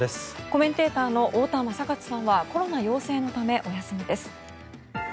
コメンテーターの太田昌克さんはコロナ陽性のためお休みです。